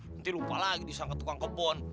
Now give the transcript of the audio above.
nanti lupa lagi disangkut tukang kebun